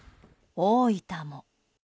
大分も。